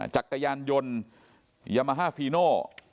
จากกายานยนต์ยามาฮ่าฟี่โน้